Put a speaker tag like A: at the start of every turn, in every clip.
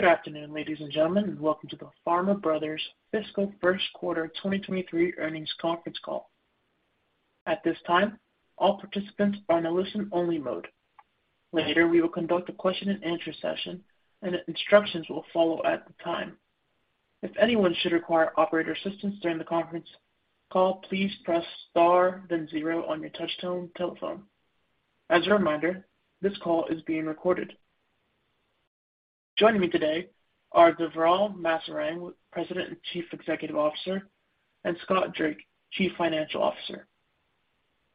A: Good afternoon, ladies and gentlemen, and welcome to the Farmer Brothers fiscal first quarter 2023 earnings conference call. At this time, all participants are in a listen-only mode. Later, we will conduct a question and answer session, and instructions will follow at the time. If anyone should require operator assistance during the conference call, please press star then zero on your touch tone telephone. As a reminder, this call is being recorded. Joining me today are Deverl Maserang, President and Chief Executive Officer, and Scott Drake, Chief Financial Officer.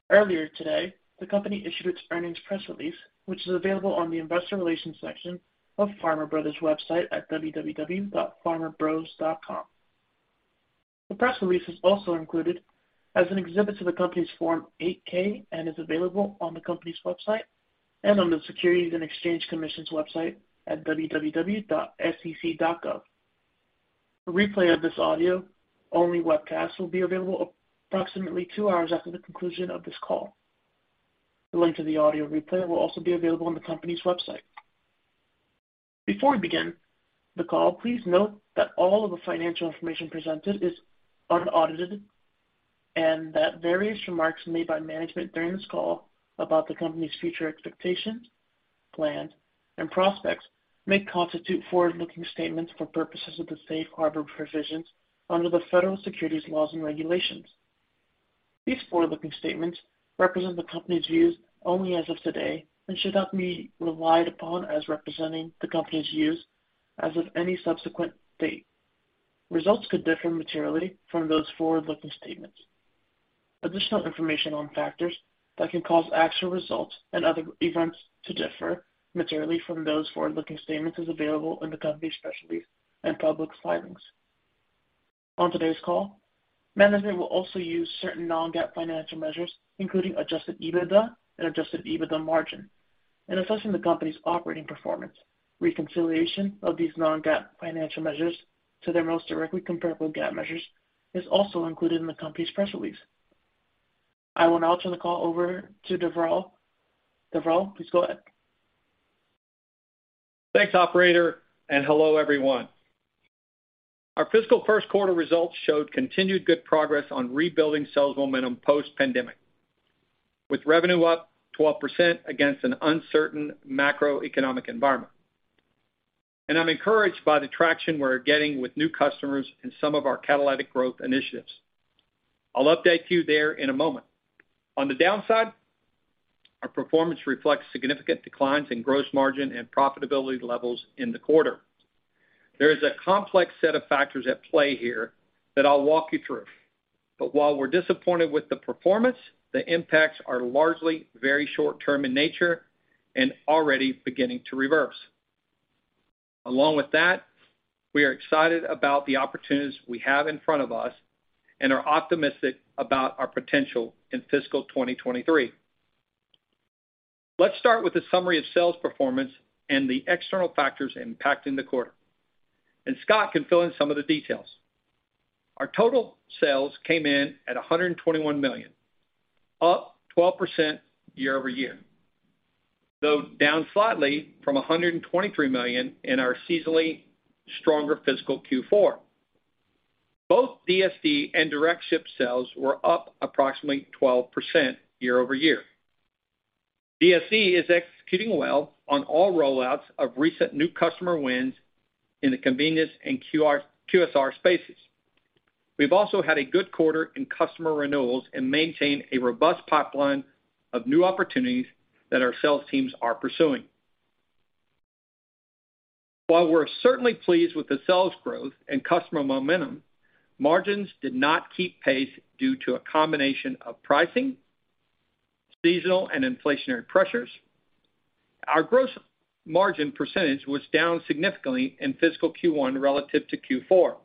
A: Earlier today, the company issued its earnings press release, which is available on the investor relations section of Farmer Brothers' website at www.farmerbros.com. The press release is also included as an exhibit to the company's Form 8-K and is available on the company's website and on the Securities and Exchange Commission's website at www.sec.gov. A replay of this audio-only webcast will be available approximately two hours after the conclusion of this call. The link to the audio replay will also be available on the company's website. Before we begin the call, please note that all of the financial information presented is unaudited and that various remarks made by management during this call about the company's future expectations, plans, and prospects may constitute forward-looking statements for purposes of the safe harbor provisions under the federal securities laws and regulations. These forward-looking statements represent the company's views only as of today and should not be relied upon as representing the company's views as of any subsequent date. Results could differ materially from those forward-looking statements. Additional information on factors that could cause actual results and other events to differ materially from those forward-looking statements is available in the company's press release and public filings. On today's call, management will also use certain non-GAAP financial measures, including Adjusted EBITDA and Adjusted EBITDA margin in assessing the company's operating performance. Reconciliation of these non-GAAP financial measures to their most directly comparable GAAP measures is also included in the company's press release. I will now turn the call over to Deverl. Deverl, please go ahead.
B: Thanks, operator, and hello, everyone. Our fiscal first quarter results showed continued good progress on rebuilding sales momentum post-pandemic, with revenue up 12% against an uncertain macroeconomic environment. I'm encouraged by the traction we're getting with new customers in some of our catalytic growth initiatives. I'll update you there in a moment. On the downside, our performance reflects significant declines in gross margin and profitability levels in the quarter. There is a complex set of factors at play here that I'll walk you through. While we're disappointed with the performance, the impacts are largely very short term in nature and already beginning to reverse. Along with that, we are excited about the opportunities we have in front of us and are optimistic about our potential in fiscal 2023. Let's start with a summary of sales performance and the external factors impacting the quarter, and Scott can fill in some of the details. Our total sales came in at $121 million, up 12% year-over-year, though down slightly from $123 million in our seasonally stronger fiscal Q4. Both DSD and direct ship sales were up approximately 12% year-over-year. DSD is executing well on all rollouts of recent new customer wins in the convenience and QSR spaces. We've also had a good quarter in customer renewals and maintain a robust pipeline of new opportunities that our sales teams are pursuing. While we're certainly pleased with the sales growth and customer momentum, margins did not keep pace due to a combination of pricing, seasonal, and inflationary pressures. Our gross margin percentage was down significantly in fiscal Q1 relative to Q4.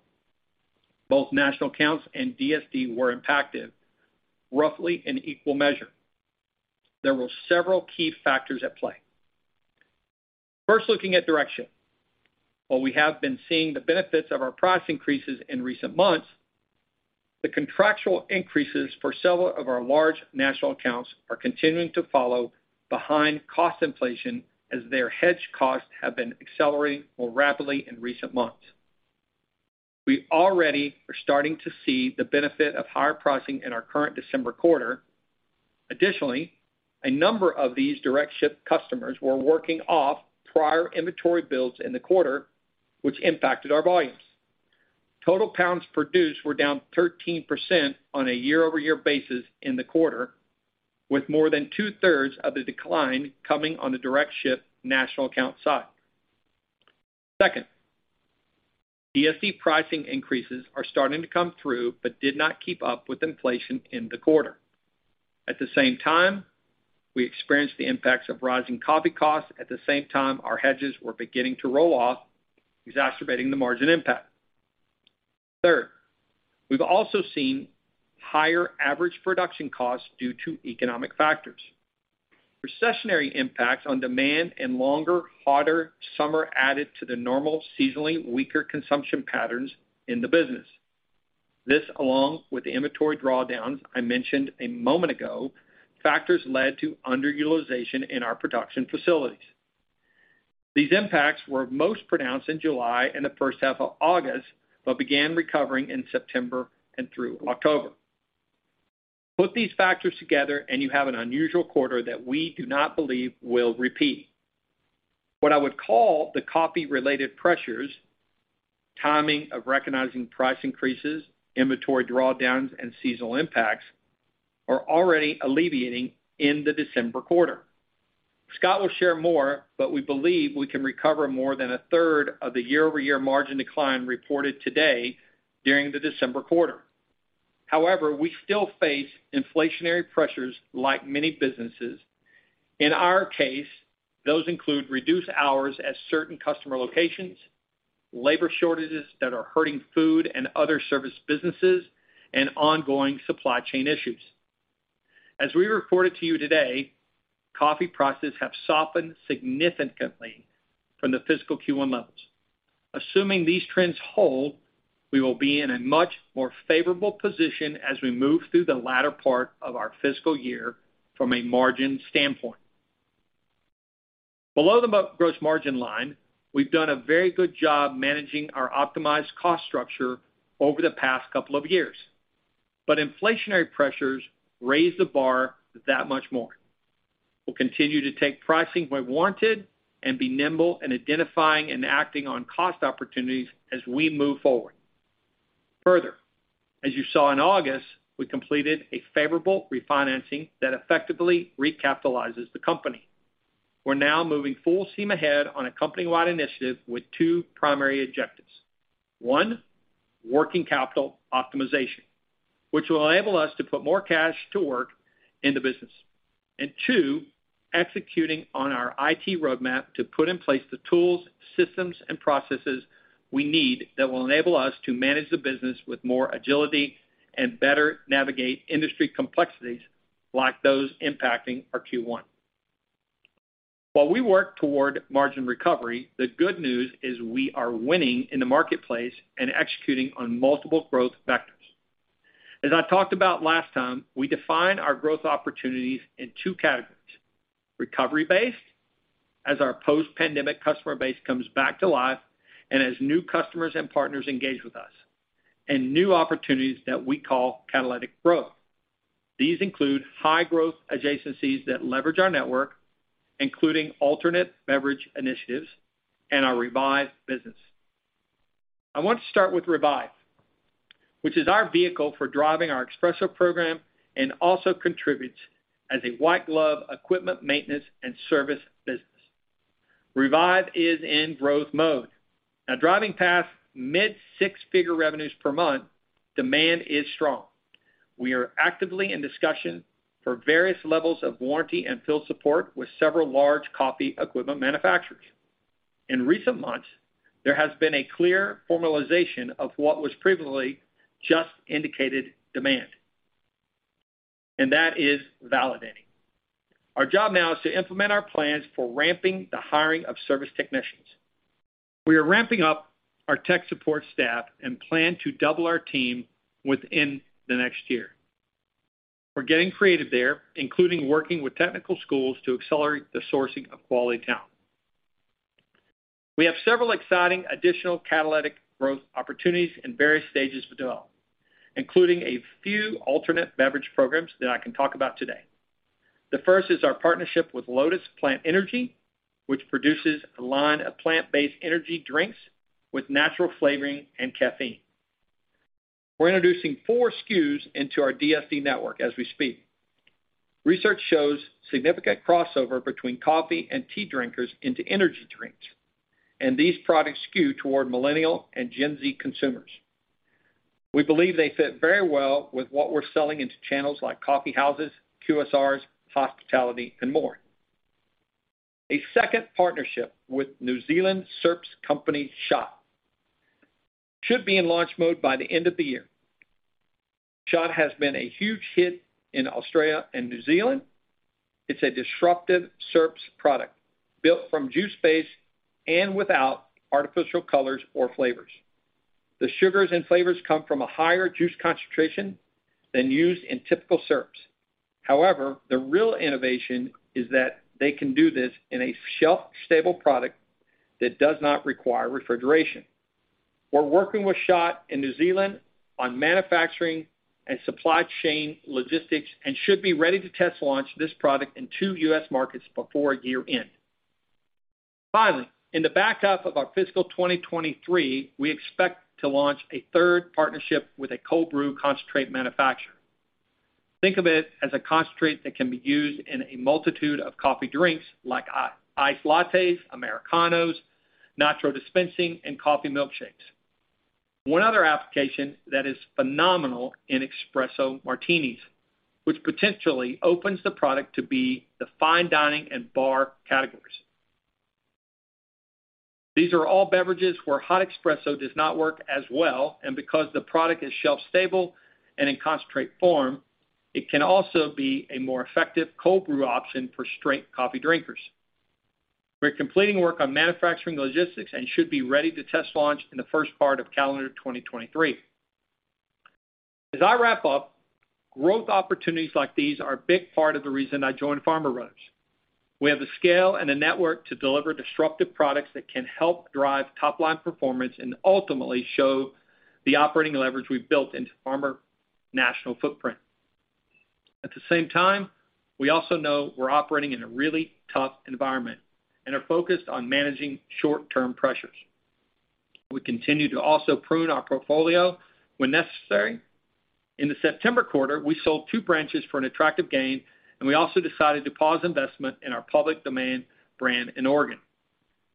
B: Both national accounts and DSD were impacted roughly in equal measure. There were several key factors at play. First, looking at direct ship. While we have been seeing the benefits of our price increases in recent months, the contractual increases for several of our large national accounts are continuing to follow behind cost inflation as their hedge costs have been accelerating more rapidly in recent months. We already are starting to see the benefit of higher pricing in our current December quarter. Additionally, a number of these direct ship customers were working off prior inventory builds in the quarter, which impacted our volumes. Total pounds produced were down 13% on a year-over-year basis in the quarter, with more than two-thirds of the decline coming on the direct ship national account side. Second, DSD pricing increases are starting to come through but did not keep up with inflation in the quarter. At the same time, we experienced the impacts of rising coffee costs at the same time our hedges were beginning to roll off, exacerbating the margin impact. Third, we've also seen higher average production costs due to economic factors. Recessionary impacts on demand and longer, hotter summer added to the normal seasonally weaker consumption patterns in the business. This, along with the inventory drawdowns I mentioned a moment ago, factors led to underutilization in our production facilities. These impacts were most pronounced in July and the first half of August, but began recovering in September and through October. Put these factors together, and you have an unusual quarter that we do not believe will repeat. What I would call the coffee-related pressures, timing of recognizing price increases, inventory drawdowns, and seasonal impacts are already alleviating in the December quarter. Scott will share more, but we believe we can recover more than a third of the year-over-year margin decline reported today during the December quarter. However, we still face inflationary pressures like many businesses. In our case, those include reduced hours at certain customer locations, labor shortages that are hurting food and other service businesses, and ongoing supply chain issues. As we reported to you today, coffee prices have softened significantly from the fiscal Q1 levels. Assuming these trends hold, we will be in a much more favorable position as we move through the latter part of our fiscal year from a margin standpoint. Below the gross margin line, we've done a very good job managing our optimized cost structure over the past couple of years, but inflationary pressures raise the bar that much more. We'll continue to take pricing when warranted and be nimble in identifying and acting on cost opportunities as we move forward. Further, as you saw in August, we completed a favorable refinancing that effectively recapitalizes the company. We're now moving full steam ahead on a company-wide initiative with two primary objectives. One, working capital optimization, which will enable us to put more cash to work in the business. And two, executing on our IT roadmap to put in place the tools, systems, and processes we need that will enable us to manage the business with more agility and better navigate industry complexities like those impacting our Q1. While we work toward margin recovery, the good news is we are winning in the marketplace and executing on multiple growth vectors. As I talked about last time, we define our growth opportunities in two categories, recovery-based, as our post-pandemic customer base comes back to life and as new customers and partners engage with us, and new opportunities that we call catalytic growth. These include high-growth adjacencies that leverage our network, including alternate beverage initiatives and our Revive business. I want to start with Revive, which is our vehicle for driving our espresso program and also contributes as a white-glove equipment maintenance and service business. Revive is in growth mode. Now driving past mid-six-figure revenues per month, demand is strong. We are actively in discussion for various levels of warranty and field support with several large coffee equipment manufacturers. In recent months, there has been a clear formalization of what was previously just indicated demand, and that is validating. Our job now is to implement our plans for ramping the hiring of service technicians. We are ramping up our tech support staff and plan to double our team within the next year. We're getting creative there, including working with technical schools to accelerate the sourcing of quality talent. We have several exciting additional catalytic growth opportunities in various stages of development, including a few alternate beverage programs that I can talk about today. The first is our partnership with Lotus Plant Power, which produces a line of plant-based energy drinks with natural flavoring and caffeine. We're introducing four SKUs into our DSD network as we speak. Research shows significant crossover between coffee and tea drinkers into energy drinks, and these products skew toward Millennial and Gen Z consumers. We believe they fit very well with what we're selling into channels like coffee houses, QSRs, hospitality, and more. A second partnership with SHOTT should be in launch mode by the end of the year. SHOTT has been a huge hit in Australia and New Zealand. It's a disruptive syrups product built from juice base and without artificial colors or flavors. The sugars and flavors come from a higher juice concentration than used in typical syrups. However, the real innovation is that they can do this in a shelf-stable product that does not require refrigeration. We're working with SHOTT in New Zealand on manufacturing and supply chain logistics and should be ready to test launch this product in two U.S. markets before year-end. Finally, in the back half of our fiscal 2023, we expect to launch a third partnership with a cold brew concentrate manufacturer. Think of it as a concentrate that can be used in a multitude of coffee drinks like iced lattes, Americanos, nitro dispensing, and coffee milkshakes. One other application that is phenomenal in espresso martinis, which potentially opens the product to be the fine dining and bar categories. These are all beverages where hot espresso does not work as well, and because the product is shelf-stable and in concentrate form, it can also be a more effective cold brew option for straight coffee drinkers. We're completing work on manufacturing logistics and should be ready to test launch in the first part of calendar 2023. As I wrap up, growth opportunities like these are a big part of the reason I joined Farmer Brothers. We have the scale and the network to deliver disruptive products that can help drive top-line performance and ultimately show the operating leverage we've built into Farmer Bros.' national footprint. At the same time, we also know we're operating in a really tough environment and are focused on managing short-term pressures. We continue to also prune our portfolio when necessary. In the September quarter, we sold two branches for an attractive gain, and we also decided to pause investment in our Sum>One Coffee Roasters in Oregon.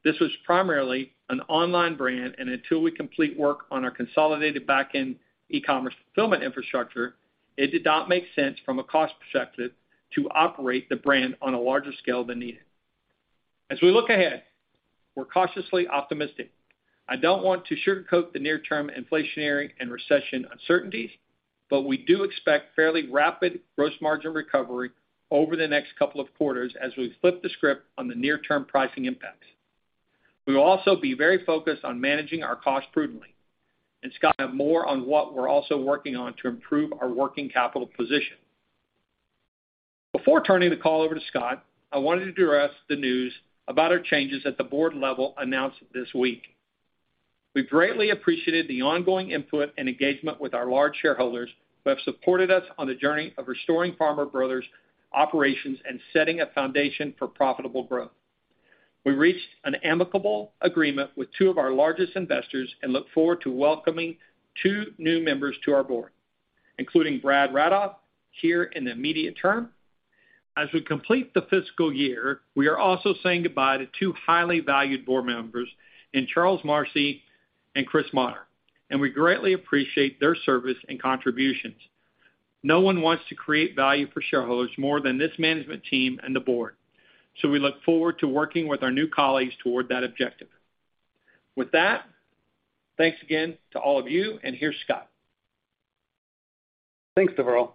B: This was primarily an online brand, and until we complete work on our consolidated back-end e-commerce fulfillment infrastructure, it did not make sense from a cost perspective to operate the brand on a larger scale than needed. As we look ahead, we're cautiously optimistic. I don't want to sugarcoat the near-term inflationary and recession uncertainties, but we do expect fairly rapid gross margin recovery over the next couple of quarters as we flip the script on the near-term pricing impacts. We will also be very focused on managing our costs prudently. Scott will have more on what we're also working on to improve our working capital position. Before turning the call over to Scott, I wanted to address the news about our changes at the board level announced this week. We've greatly appreciated the ongoing input and engagement with our large shareholders, who have supported us on the journey of restoring Farmer Brothers' operations and setting a foundation for profitable growth. We reached an amicable agreement with two of our largest investors and look forward to welcoming two new members to our board, including Brad Radoff here in the immediate term. As we complete the fiscal year, we are also saying goodbye to two highly valued board members in Charles Marcy and Christopher Mottern, and we greatly appreciate their service and contributions. No one wants to create value for shareholders more than this management team and the board, so we look forward to working with our new colleagues toward that objective. With that, thanks again to all of you, and here's Scott.
C: Thanks, Deverl.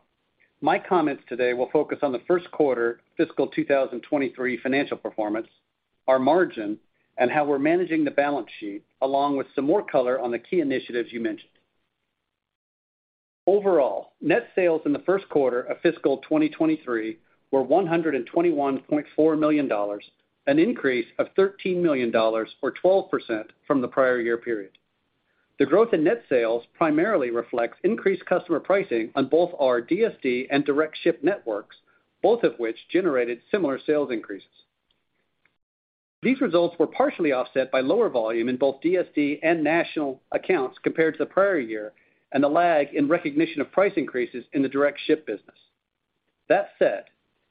C: My comments today will focus on the first quarter fiscal 2023 financial performance, our margin, and how we're managing the balance sheet, along with some more color on the key initiatives you mentioned. Overall, net sales in the first quarter of fiscal 2023 were $121.4 million, an increase of $13 million or 12% from the prior year period. The growth in net sales primarily reflects increased customer pricing on both our DSD and direct ship networks, both of which generated similar sales increases. These results were partially offset by lower volume in both DSD and national accounts compared to the prior year and the lag in recognition of price increases in the direct ship business. That said,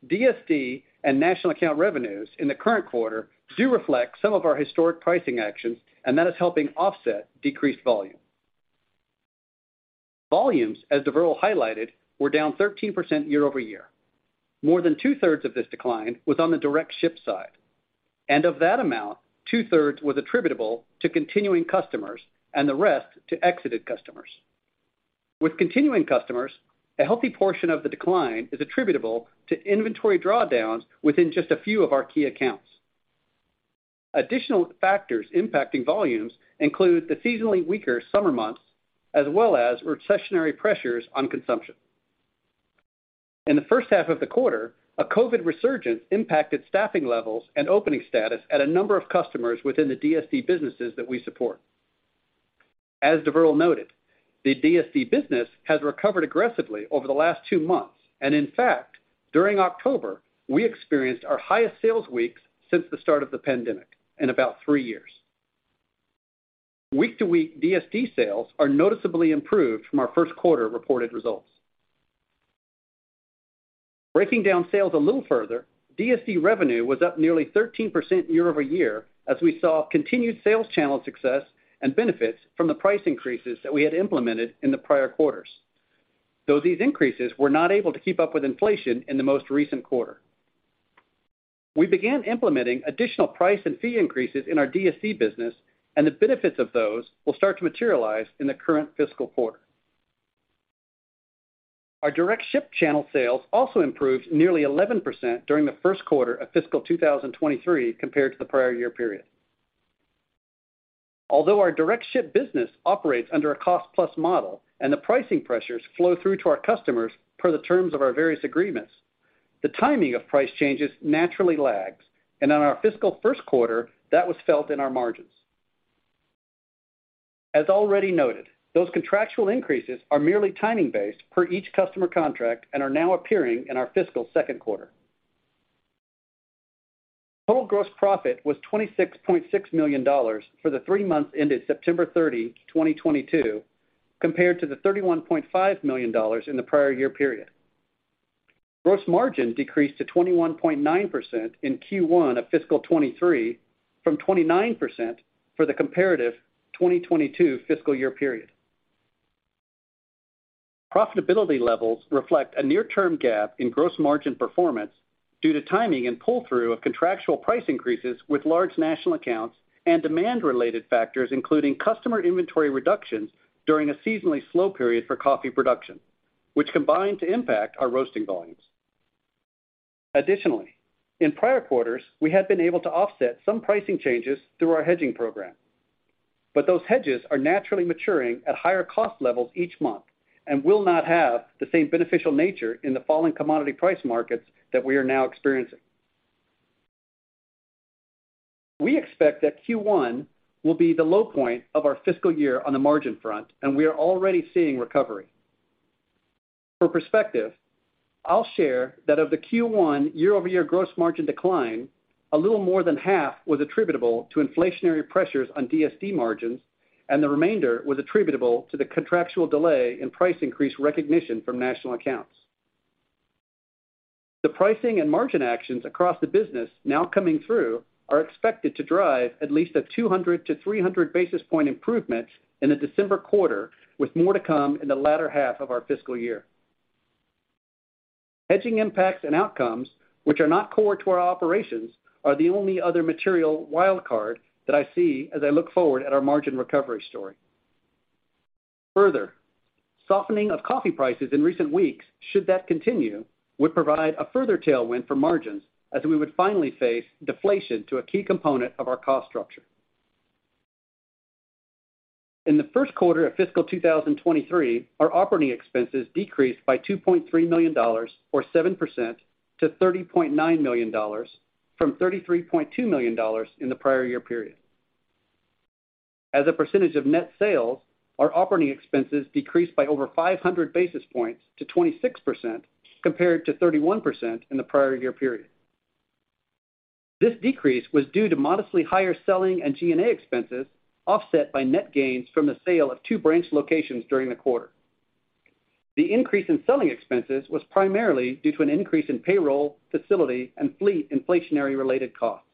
C: DSD and national account revenues in the current quarter do reflect some of our historic pricing actions, and that is helping offset decreased volume. Volumes, as Deverl highlighted, were down 13% year-over-year. More than two-thirds of this decline was on the direct ship side. Of that amount, two-thirds was attributable to continuing customers and the rest to exited customers. With continuing customers, a healthy portion of the decline is attributable to inventory drawdowns within just a few of our key accounts. Additional factors impacting volumes include the seasonally weaker summer months as well as recessionary pressures on consumption. In the first half of the quarter, a COVID resurgence impacted staffing levels and opening status at a number of customers within the DSD businesses that we support. As Deverl noted, the DSD business has recovered aggressively over the last two months, and in fact, during October, we experienced our highest sales weeks since the start of the pandemic in about three years. Week-to-week DSD sales are noticeably improved from our first quarter reported results. Breaking down sales a little further, DSD revenue was up nearly 13% year-over-year as we saw continued sales channel success and benefits from the price increases that we had implemented in the prior quarters. These increases were not able to keep up with inflation in the most recent quarter. We began implementing additional price and fee increases in our DSD business, and the benefits of those will start to materialize in the current fiscal quarter. Our direct ship channel sales also improved nearly 11% during the first quarter of fiscal 2023 compared to the prior year period. Although our direct ship business operates under a cost-plus model and the pricing pressures flow through to our customers per the terms of our various agreements, the timing of price changes naturally lags, and in our fiscal first quarter, that was felt in our margins. As already noted, those contractual increases are merely timing-based per each customer contract and are now appearing in our fiscal second quarter. Total gross profit was $26.6 million for the three months ended September 30, 2022, compared to the $31.5 million in the prior year period. Gross margin decreased to 21.9% in Q1 of fiscal 2023 from 29% for the comparative 2022 fiscal year period. Profitability levels reflect a near-term gap in gross margin performance due to timing and pull-through of contractual price increases with large national accounts and demand-related factors, including customer inventory reductions during a seasonally slow period for coffee production, which combine to impact our roasting volumes. Additionally, in prior quarters, we had been able to offset some pricing changes through our hedging program, but those hedges are naturally maturing at higher cost levels each month and will not have the same beneficial nature in the falling commodity price markets that we are now experiencing. We expect that Q1 will be the low point of our fiscal year on the margin front, and we are already seeing recovery. For perspective, I'll share that of the Q1 year-over-year gross margin decline, a little more than half was attributable to inflationary pressures on DSD margins, and the remainder was attributable to the contractual delay in price increase recognition from national accounts. The pricing and margin actions across the business now coming through are expected to drive at least a 200-300 basis point improvement in the December quarter, with more to come in the latter half of our fiscal year. Hedging impacts and outcomes, which are not core to our operations, are the only other material wild card that I see as I look forward at our margin recovery story. Further, softening of coffee prices in recent weeks, should that continue, would provide a further tailwind for margins as we would finally face deflation to a key component of our cost structure. In the first quarter of fiscal 2023, our operating expenses decreased by $2.3 million or 7% to $30.9 million, from $33.2 million in the prior year period. As a percentage of net sales, our operating expenses decreased by over 500 basis points to 26% compared to 31% in the prior year period. This decrease was due to modestly higher selling and G&A expenses, offset by net gains from the sale of two branch locations during the quarter. The increase in selling expenses was primarily due to an increase in payroll, facility, and fleet inflationary-related costs.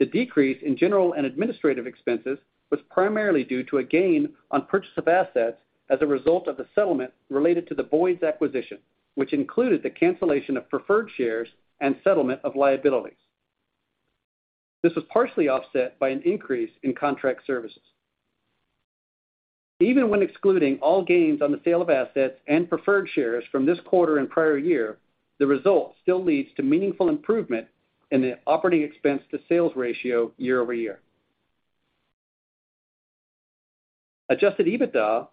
C: The decrease in general and administrative expenses was primarily due to a gain on purchase of assets as a result of the settlement related to the Boyd's acquisition, which included the cancellation of preferred shares and settlement of liabilities. This was partially offset by an increase in contract services. Even when excluding all gains on the sale of assets and preferred shares from this quarter and prior year, the result still leads to meaningful improvement in the operating expense to sales ratio year-over-year. Adjusted EBITDA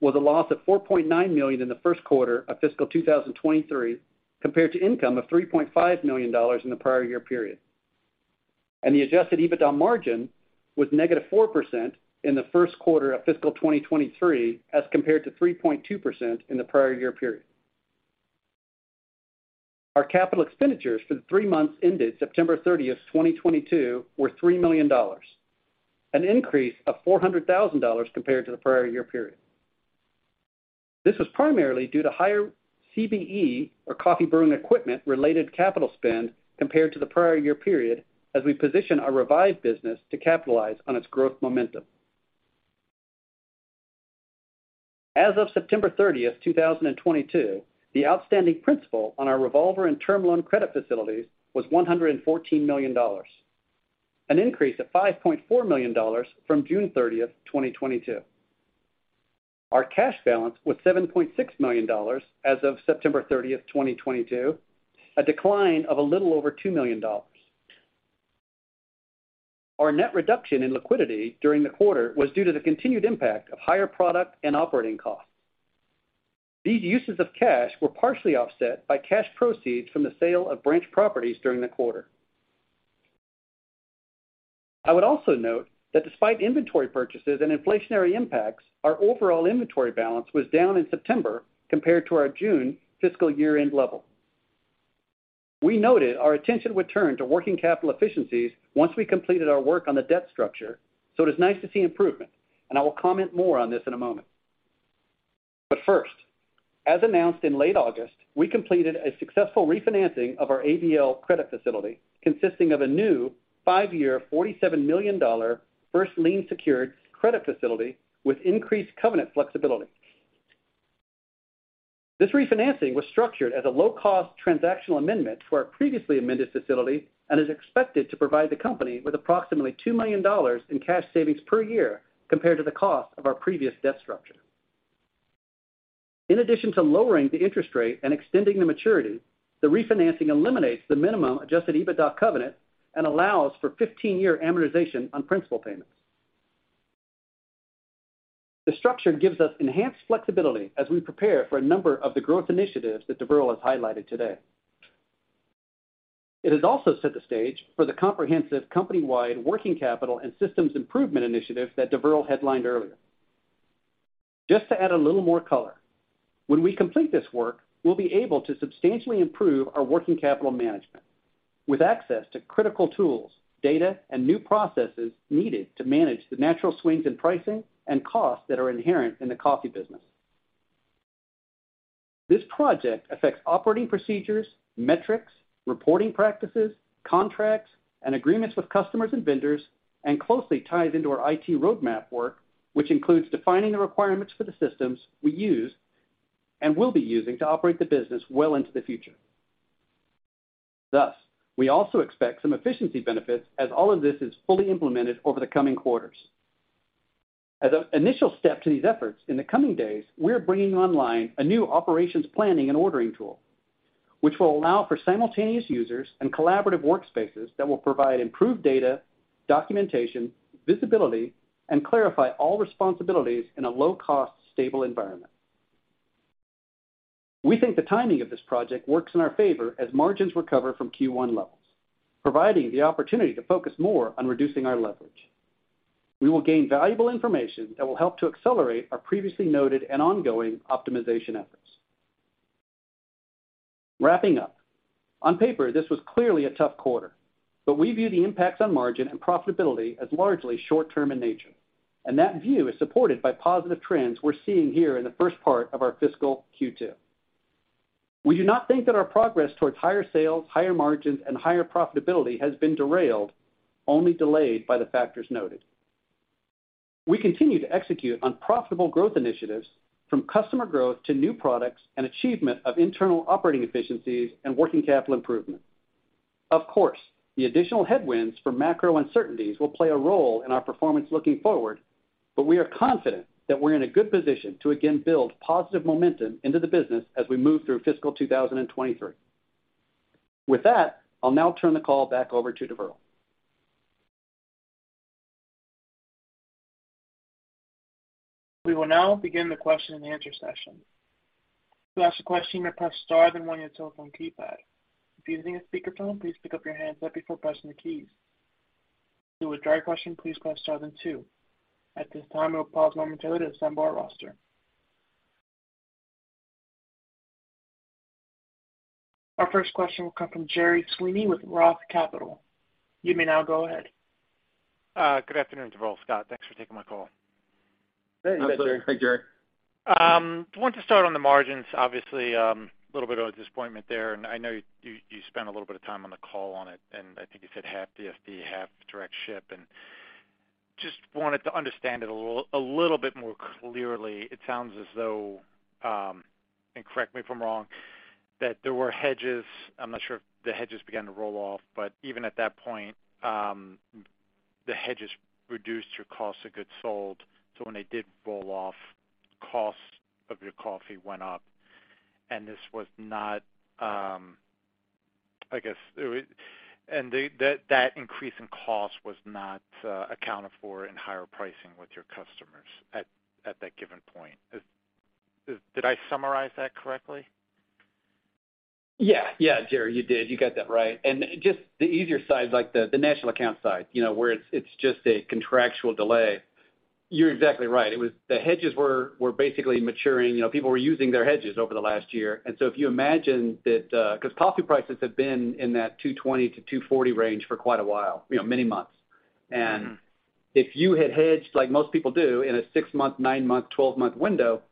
C: was a loss of $4.9 million in the first quarter of fiscal 2023, compared to income of $3.5 million in the prior year period. The Adjusted EBITDA margin was -4% in the first quarter of fiscal 2023, as compared to 3.2% in the prior year period. Our capital expenditures for the three months ended September 30, 2022 were $3 million, an increase of $400,000 compared to the prior year period. This was primarily due to higher CBE or coffee brewing equipment-related capital spend compared to the prior year period as we position our Revive business to capitalize on its growth momentum. As of September 30, 2022, the outstanding principal on our revolver and term loan credit facilities was $114 million, an increase of $5.4 million from June 30, 2022. Our cash balance was $7.6 million as of September 30, 2022, a decline of a little over $2 million. Our net reduction in liquidity during the quarter was due to the continued impact of higher product and operating costs. These uses of cash were partially offset by cash proceeds from the sale of branch properties during the quarter. I would also note that despite inventory purchases and inflationary impacts, our overall inventory balance was down in September compared to our June fiscal year-end level. We noted our attention would turn to working capital efficiencies once we completed our work on the debt structure, so it is nice to see improvement, and I will comment more on this in a moment. First, as announced in late August, we completed a successful refinancing of our ABL credit facility, consisting of a new five-year $47 million first lien secured credit facility with increased covenant flexibility. This refinancing was structured as a low-cost transactional amendment to our previously amended facility and is expected to provide the company with approximately $2 million in cash savings per year compared to the cost of our previous debt structure. In addition to lowering the interest rate and extending the maturity, the refinancing eliminates the minimum Adjusted EBITDA covenant and allows for 15-year amortization on principal payments. The structure gives us enhanced flexibility as we prepare for a number of the growth initiatives that Deverl has highlighted today. It has also set the stage for the comprehensive company-wide working capital and systems improvement initiative that Deverl headlined earlier. Just to add a little more color, when we complete this work, we'll be able to substantially improve our working capital management with access to critical tools, data, and new processes needed to manage the natural swings in pricing and costs that are inherent in the coffee business. This project affects operating procedures, metrics, reporting practices, contracts, and agreements with customers and vendors, and closely ties into our IT roadmap work, which includes defining the requirements for the systems we use and will be using to operate the business well into the future. Thus, we also expect some efficiency benefits as all of this is fully implemented over the coming quarters. As an initial step to these efforts, in the coming days, we're bringing online a new operations planning and ordering tool, which will allow for simultaneous users and collaborative workspaces that will provide improved data, documentation, visibility, and clarify all responsibilities in a low-cost, stable environment. We think the timing of this project works in our favor as margins recover from Q1 levels, providing the opportunity to focus more on reducing our leverage. We will gain valuable information that will help to accelerate our previously noted and ongoing optimization efforts. Wrapping up. On paper, this was clearly a tough quarter, but we view the impacts on margin and profitability as largely short-term in nature, and that view is supported by positive trends we're seeing here in the first part of our fiscal Q2. We do not think that our progress towards higher sales, higher margins, and higher profitability has been derailed, only delayed by the factors noted. We continue to execute on profitable growth initiatives from customer growth to new products and achievement of internal operating efficiencies and working capital improvement. Of course, the additional headwinds from macro uncertainties will play a role in our performance looking forward, but we are confident that we're in a good position to again build positive momentum into the business as we move through fiscal 2023. With that, I'll now turn the call back over to Deverl.
A: We will now begin the question and answer session. To ask a question, you may press star, then one on your telephone keypad. If you're using a speakerphone, please pick up your handset before pressing the keys. To withdraw your question, please press star then two. At this time, we'll pause momentarily to assemble our roster. Our first question will come from Gerard Sweeney with Roth Capital. You may now go ahead.
D: Good afternoon, Deverl, Scott. Thanks for taking my call.
B: Hey.
C: Hi, Jerry.
D: Want to start on the margins, obviously, a little bit of a disappointment there, and I know you spent a little bit of time on the call on it, and I think you said half DSD, half direct ship. Just wanted to understand it a little bit more clearly. It sounds as though, correct me if I'm wrong, that there were hedges. I'm not sure if the hedges began to roll off, but even at that point, the hedges reduced your cost of goods sold. When they did roll off, cost of your coffee went up. This was not, I guess, the increase in cost was not accounted for in higher pricing with your customers at that given point. Did I summarize that correctly?
B: Yeah. Yeah, Jerry, you did. You got that right. Just the easier side, like the national account side, you know, where it's just a contractual delay, you're exactly right. It was the hedges were basically maturing. You know, people were using their hedges over the last year. If you imagine that, 'cause coffee prices have been in that 220-240 range for quite a while, you know, many months.
D: Mm-hmm.
B: If you had hedged like most people do in a six-month, nine-month, 12-month window,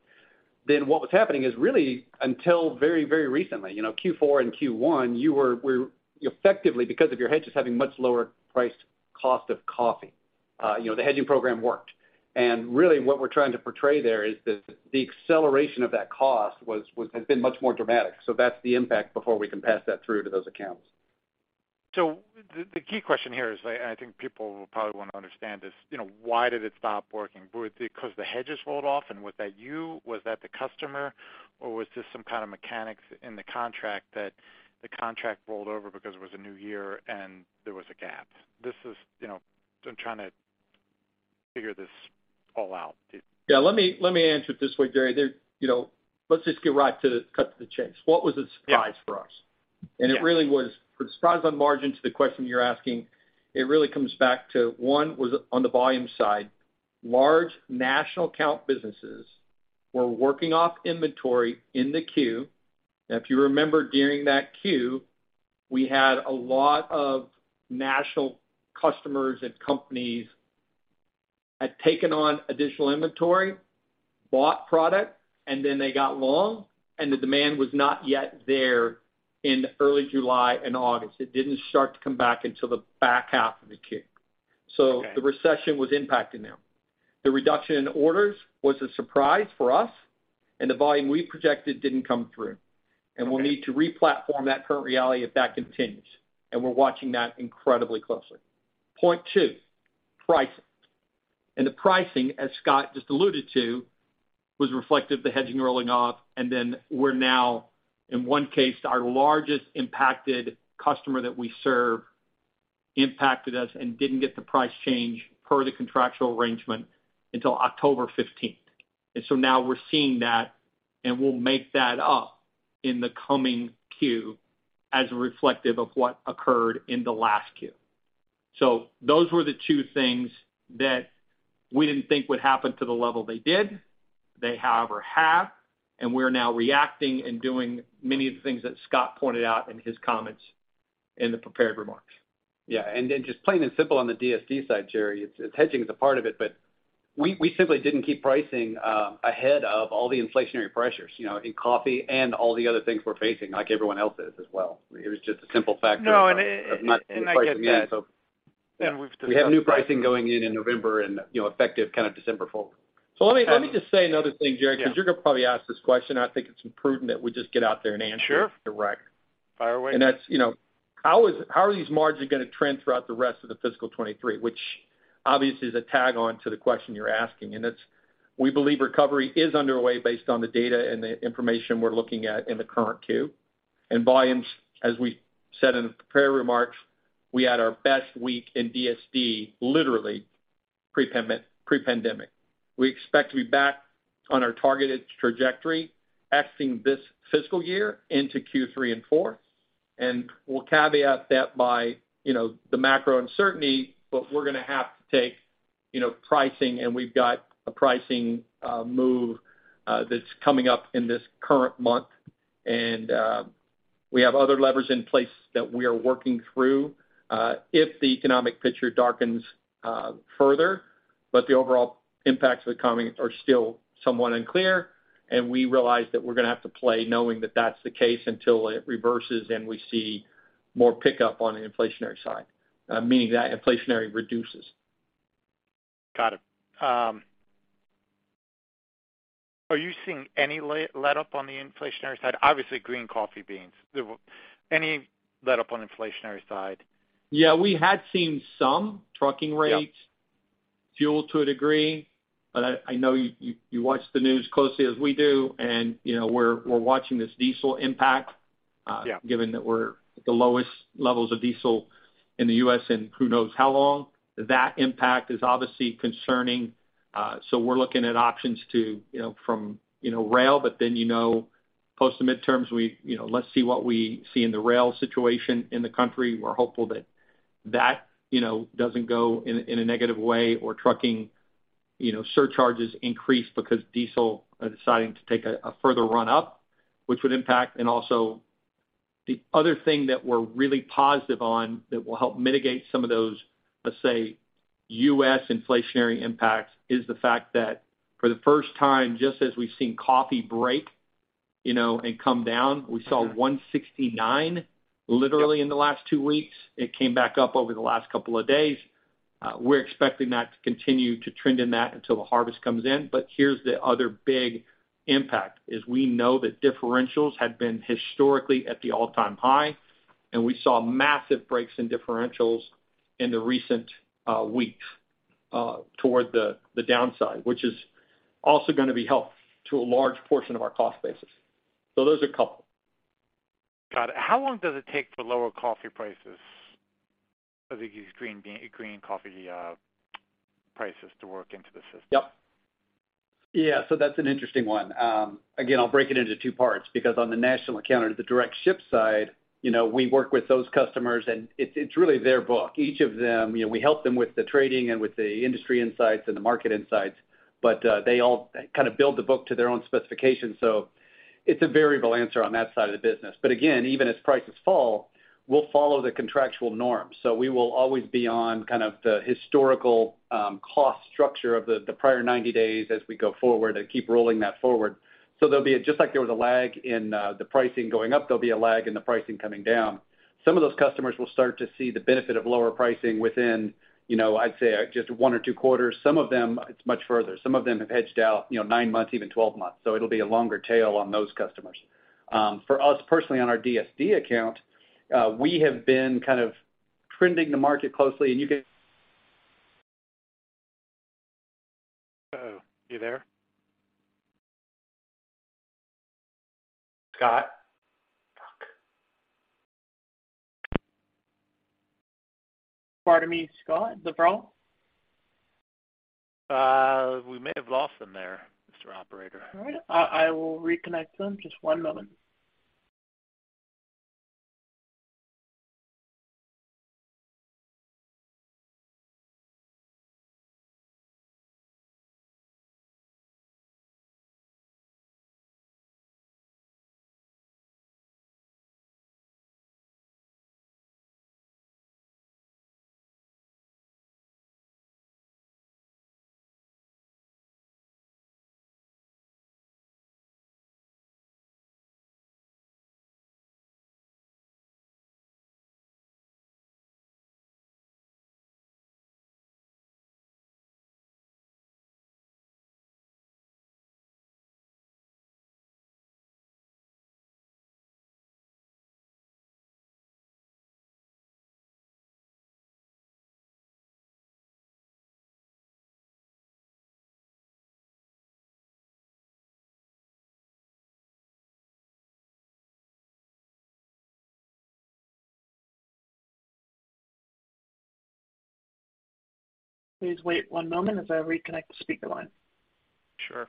B: then what was happening is really until very, very recently, you know, Q4 and Q1, you were effectively because of your hedges having much lower-priced cost of coffee, you know, the hedging program worked. Really what we're trying to portray there is that the acceleration of that cost has been much more dramatic. That's the impact before we can pass that through to those accounts.
D: The key question here is, and I think people will probably wanna understand this, you know, why did it stop working? Was it because the hedges rolled off, and was that you, was that the customer, or was this some kind of mechanics in the contract that the contract rolled over because it was a new year and there was a gap? This is, you know, I'm trying to figure this all out.
B: Yeah, let me answer it this way, Jerry. There, you know, let's just get right to cut to the chase. What was the surprise for us?
D: Yeah.
B: It really was for the surprise on margin to the question you're asking. It really comes back to one was on the volume side. Large national account businesses were working off inventory in the quarter. Now if you remember during that quarter, we had a lot of national customers and companies had taken on additional inventory, bought product, and then they got long, and the demand was not yet there in early July and August. It didn't start to come back until the back half of the quarter.
D: Okay.
B: The recession was impacting them. The reduction in orders was a surprise for us, and the volume we projected didn't come through. We'll need to re-platform that current reality if that continues, and we're watching that incredibly closely. Point two, pricing. The pricing, as Scott just alluded to, was reflective of the hedging rolling off, and then we're now in one case, our largest impacted customer that we serve impacted us and didn't get the price change per the contractual arrangement until October fifteenth. Now we're seeing that, and we'll make that up in the coming Q as reflective of what occurred in the last Q. Those were the two things that we didn't think would happen to the level they did. They, however, have and we're now reacting and doing many of the things that Scott pointed out in his comments in the prepared remarks.
C: Yeah. Just plain and simple on the DSD side, Jerry, it's hedging is a part of it, but we simply didn't keep pricing ahead of all the inflationary pressures, you know, in coffee and all the other things we're facing like everyone else is as well. It was just a simple factor of not pricing in.
D: We have new pricing going in November and, you know, effective kind of December forward.
B: Let me just say another thing, Jerry.
D: Yeah.
B: Because you're gonna probably ask this question, and I think it's prudent that we just get out there and answer.
D: Sure.
B: -direct.
D: Fire away.
B: That's, you know, how are these margins gonna trend throughout the rest of the fiscal 2023, which obviously is a tag on to the question you're asking. It's, we believe recovery is underway based on the data and the information we're looking at in the current Q. Volumes, as we said in the prepared remarks, we had our best week in DSD, literally pre-pandemic. We expect to be back on our targeted trajectory exiting this fiscal year into Q3 and Q4. We'll caveat that by, you know, the macro uncertainty. We're gonna have to take, you know, pricing, and we've got a pricing move that's coming up in this current month. We have other levers in place that we are working through if the economic picture darkens further. The overall impacts that are coming are still somewhat unclear, and we realize that we're gonna have to play knowing that that's the case until it reverses and we see more pickup on the inflationary side, meaning that inflationary reduces.
D: Got it. Are you seeing any letup on the inflationary side? Obviously, green coffee beans. Any letup on inflationary side?
B: Yeah, we had seen some trucking rates.
D: Yeah.
B: -fuel to a degree. I know you watch the news closely as we do and, you know, we're watching this diesel impact.
D: Yeah.
B: Given that we're at the lowest levels of diesel in the U.S., and who knows how long. That impact is obviously concerning. We're looking at options to, you know, from, you know, rail, but then, you know, post the midterms, you know, let's see what we see in the rail situation in the country. We're hopeful that that, you know, doesn't go in a negative way or trucking, you know, surcharges increase because diesel are destined to take a further run up, which would impact. Also the other thing that we're really positive on that will help mitigate some of those, let's say, U.S. inflationary impacts is the fact that for the first time, just as we've seen coffee break, you know, and come down, we saw 169 literally in the last two weeks. It came back up over the last couple of days. We're expecting that to continue to trend in that until the harvest comes in. Here's the other big impact, is we know that differentials had been historically at the all-time high, and we saw massive breaks in differentials in the recent weeks toward the downside, which is also gonna help a large portion of our cost basis. Those are a couple.
D: Got it. How long does it take for lower coffee prices for these green coffee prices to work into the system?
B: Yep. Yeah, that's an interesting one. Again, I'll break it into two parts because on the national account or the direct ship side, you know, we work with those customers, and it's really their book. Each of them, you know, we help them with the trading and with the industry insights and the market insights, but they all kind of build the book to their own specifications. It's a variable answer on that side of the business. Again, even as prices fall, we'll follow the contractual norm. We will always be on kind of the historical cost structure of the prior 90 days as we go forward and keep rolling that forward. There'll be a lag. Just like there was a lag in the pricing going up, there'll be a lag in the pricing coming down. Some of those customers will start to see the benefit of lower pricing within, you know, I'd say, just one or two quarters. Some of them, it's much further. Some of them have hedged out, you know, nine months, even 12 months. It'll be a longer tail on those customers. For us personally on our DSD account, we have been kind of trending the market closely, and you can-
D: You there? Scott?
A: Pardon me, Scott. Deverl?
D: We may have lost him there, Mr. Operator.
A: All right. I will reconnect them. Just one moment. Please wait one moment as I reconnect the speaker line.
D: Sure.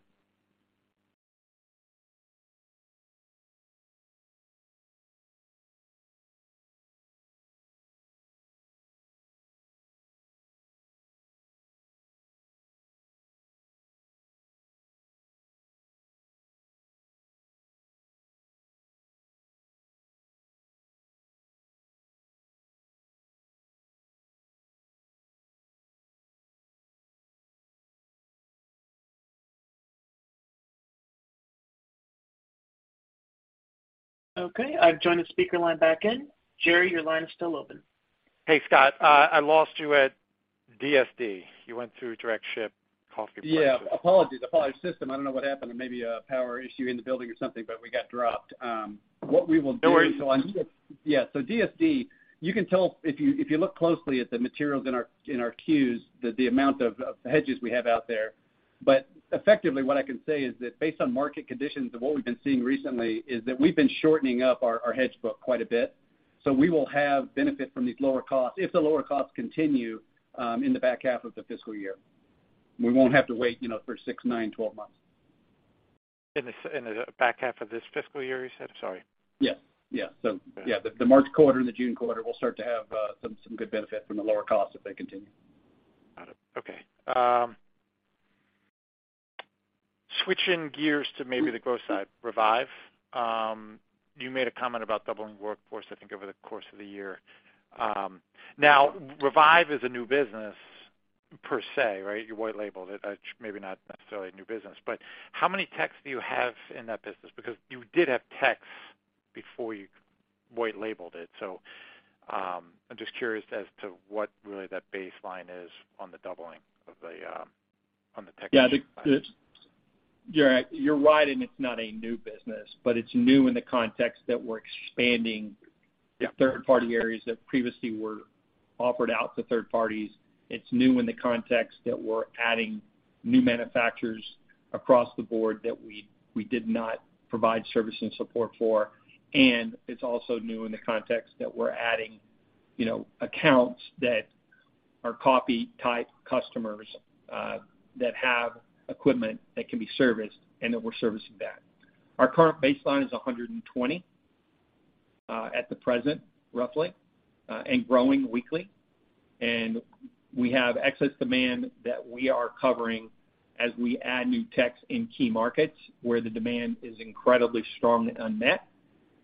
A: Okay, I've joined the speaker line back in. Jerry, your line is still open.
D: Hey, Scott. I lost you at DSD. You went through direct ship coffee prices.
C: Yeah. Apologies. Apologies system. I don't know what happened. There may be a power issue in the building or something, but we got dropped. What we will do.
D: No worries.
C: DSD, you can tell if you look closely at the materials in our Q's, the amount of hedges we have out there. Effectively, what I can say is that based on market conditions of what we've been seeing recently is that we've been shortening up our hedge book quite a bit. We will have benefit from these lower costs if the lower costs continue in the back half of the fiscal year. We won't have to wait, you know, for six, nine, 12 months.
D: In the back half of this fiscal year, you said? Sorry.
C: Yes. Yeah. Yeah, the March quarter and the June quarter will start to have some good benefit from the lower costs if they continue.
D: Got it. Okay. Switching gears to maybe the growth side, Revive. You made a comment about doubling workforce, I think, over the course of the year. Now Revive is a new business per se, right? You white labeled it. Maybe not necessarily a new business, but how many techs do you have in that business? Because you did have techs before you white labeled it. I'm just curious as to what really that baseline is on the doubling of the, on the technician side.
B: You're right, it's not a new business, but it's new in the context that we're expanding.
D: Yeah.
B: The third-party areas that previously were offered out to third parties. It's new in the context that we're adding new manufacturers across the board that we did not provide service and support for. It's also new in the context that we're adding, you know, accounts that are coffee-type customers that have equipment that can be serviced and that we're servicing that. Our current baseline is 120 at the present, roughly, and growing weekly. We have excess demand that we are covering as we add new techs in key markets where the demand is incredibly strong and unmet.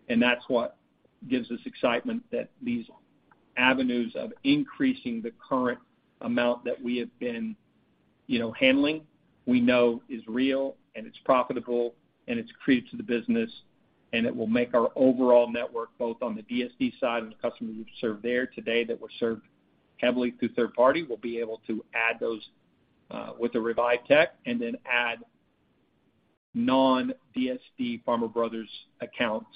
B: That's what gives us excitement that these avenues of increasing the current amount that we have been, you know, handling, we know is real, and it's profitable, and it's accretive to the business, and it will make our overall network, both on the DSD side and the customers we've served there today that were served heavily through third party, we'll be able to add those, with the Revive tech, and then add non-DSD Farmer Brothers accounts,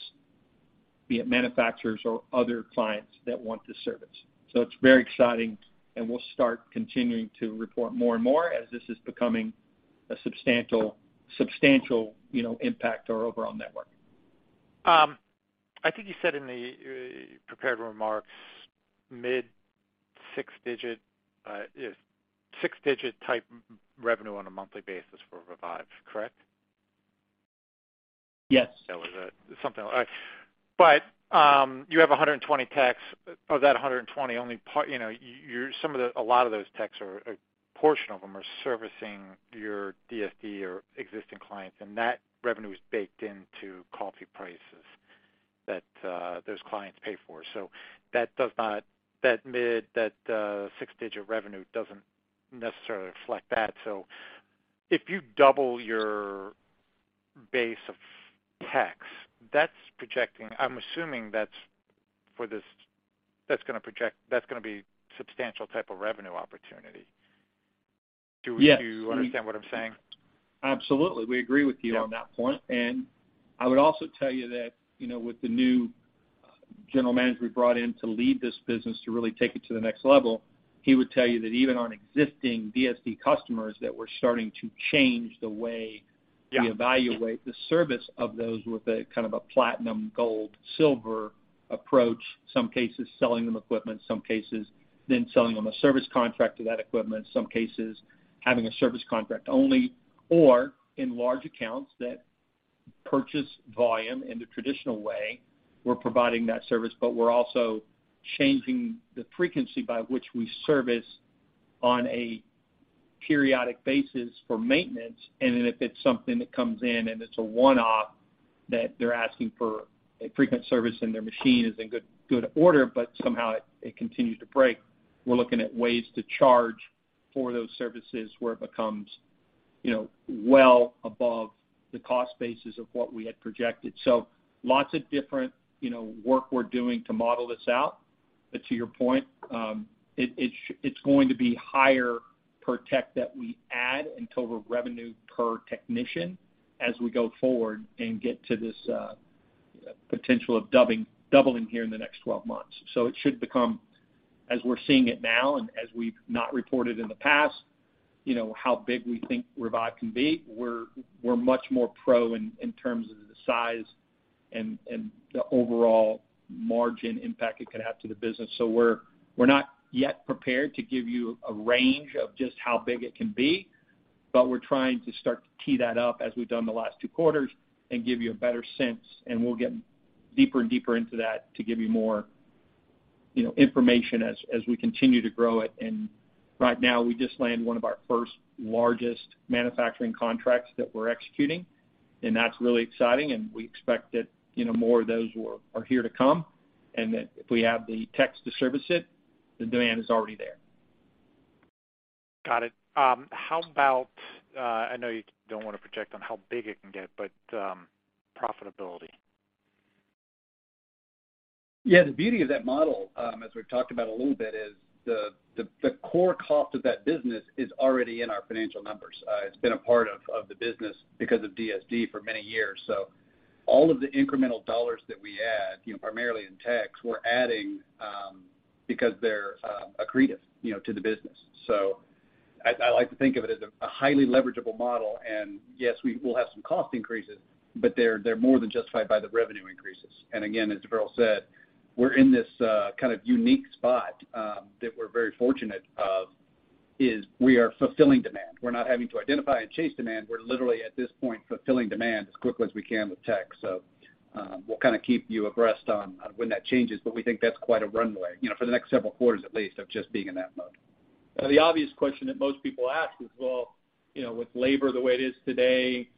B: be it manufacturers or other clients that want this service. So it's very exciting, and we'll start continuing to report more and more as this is becoming a substantial, you know, impact to our overall network.
D: I think you said in the prepared remarks, mid-six-digit, six-digit type revenue on a monthly basis for Revive, correct?
B: Yes.
D: That was it. Something like you have 120 techs. Of that 120, only part, you know, a lot of those techs are, a portion of them are servicing your DSD or existing clients, and that revenue is baked into coffee prices that those clients pay for. That mid six-digit revenue doesn't necessarily reflect that. If you double your base of techs, that's projecting, I'm assuming that's gonna be substantial type of revenue opportunity.
B: Yes.
D: Do you understand what I'm saying?
B: Absolutely. We agree with you on that point.
D: Yeah.
B: I would also tell you that, you know, with the new general manager we brought in to lead this business to really take it to the next level, he would tell you that even on existing DSD customers, that we're starting to change the way.
D: Yeah.
B: We evaluate the service of those with a kind of a platinum, gold, silver approach. Some cases, selling them equipment. Some cases, then selling them a service contract to that equipment. Some cases, having a service contract only. In large accounts that purchase volume in the traditional way, we're providing that service, but we're also changing the frequency by which we service on a periodic basis for maintenance. If it's something that comes in and it's a one-off that they're asking for a frequent service and their machine is in good order, but somehow it continues to break, we're looking at ways to charge for those services where it becomes, you know, well above the cost basis of what we had projected. Lots of different, you know, work we're doing to model this out. To your point, it's going to be higher per tech that we add in total revenue per technician as we go forward and get to this potential of doubling here in the next 12 months. It should become, as we're seeing it now and as we've not reported in the past, you know, how big we think Revive can be. We're much more pro in terms of the size and the overall margin impact it could have to the business. We're not yet prepared to give you a range of just how big it can be, but we're trying to start to tee that up as we've done the last two quarters and give you a better sense, and we'll get deeper and deeper into that to give you more, you know, information as we continue to grow it. Right now, we just landed one of our first largest manufacturing contracts that we're executing, and that's really exciting, and we expect that, you know, more of those are here to come, and that if we have the techs to service it, the demand is already there.
D: Got it. How about, I know you don't wanna project on how big it can get, but, profitability?
C: Yeah. The beauty of that model, as we've talked about a little bit, is the core cost of that business is already in our financial numbers. It's been a part of the business because of DSD for many years. All of the incremental dollars that we add, you know, primarily in tax, we're adding because they're accretive, you know, to the business. I like to think of it as a highly leverageable model. Yes, we will have some cost increases, but they're more than justified by the revenue increases. Again, as Deverl said, we're in this kind of unique spot that we're very fortunate of, is we are fulfilling demand. We're not having to identify and chase demand. We're literally, at this point, fulfilling demand as quickly as we can with tech. We'll kind of keep you abreast on when that changes, but we think that's quite a runway, you know, for the next several quarters at least of just being in that mode. The obvious question that most people ask is, "Well, you know, with labor the way it is today,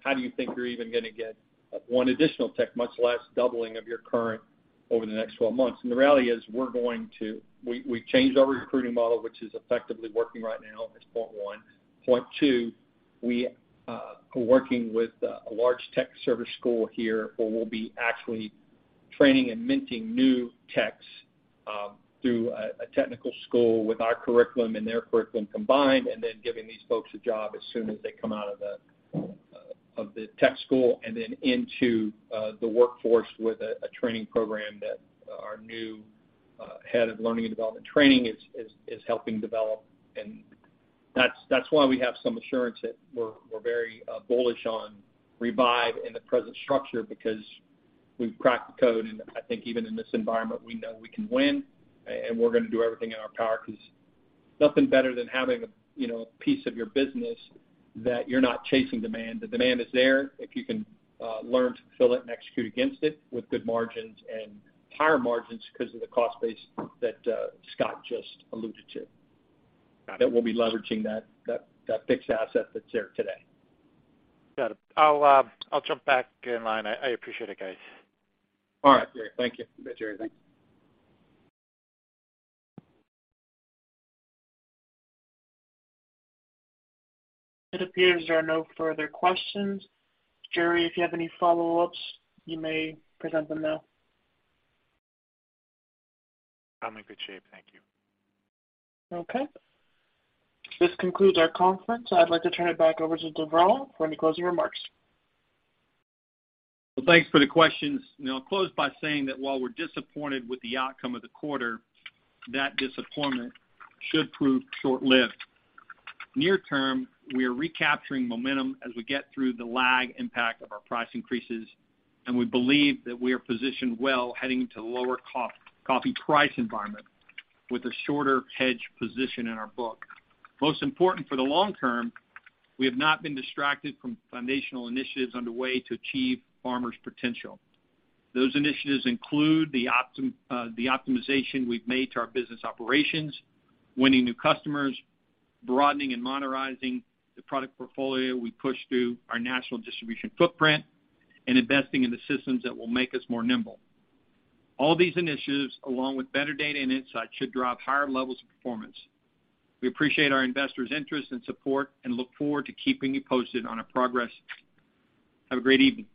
C: how do you think you're even gonna get one additional tech, much less doubling of your current over the next 12 months?" The reality is, we've changed our recruiting model, which is effectively working right now as point one. Point two, we are working with a large tech service school here, where we'll be actually training and minting new techs through a technical school with our curriculum and their curriculum combined, and then giving these folks a job as soon as they come out of the tech school and then into the workforce with a training program that our new head of learning and development training is helping develop. That's why we have some assurance that we're very bullish on Revive in the present structure because we've cracked the code, and I think even in this environment, we know we can win. We're gonna do everything in our power 'cause nothing better than having a, you know, a piece of your business that you're not chasing demand. The demand is there if you can learn to fill it and execute against it with good margins and higher margins 'cause of the cost base that Scott just alluded to.
D: Got it.
B: That we'll be leveraging that fixed asset that's there today.
D: Got it. I'll jump back in line. I appreciate it, guys.
B: All right. Yeah. Thank you. You bet, Jerry. Thanks.
A: It appears there are no further questions. Jerry, if you have any follow-ups, you may present them now.
D: I'm in good shape. Thank you.
A: Okay. This concludes our conference. I'd like to turn it back over to Deverl Maserang for any closing remarks.
B: Well, thanks for the questions. I'll close by saying that while we're disappointed with the outcome of the quarter, that disappointment should prove short-lived. Near term, we are recapturing momentum as we get through the lag impact of our price increases, and we believe that we are positioned well heading into lower cost coffee price environment with a shorter hedge position in our book. Most important for the long term, we have not been distracted from foundational initiatives underway to achieve Farmer's potential. Those initiatives include the optimization we've made to our business operations, winning new customers, broadening and modernizing the product portfolio we push through our national distribution footprint, and investing in the systems that will make us more nimble. All these initiatives, along with better data and insight, should drive higher levels of performance. We appreciate our investors' interest and support and look forward to keeping you posted on our progress. Have a great evening.